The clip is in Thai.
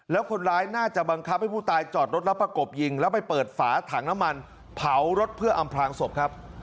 แล้วคนร้ายน่าจะบังคับให้ผู้ตายจอดรถแล้วประกบยิงแล้วไปเปิดฝาถังน้ำมันเผารถเพื่ออำพลางศพครับ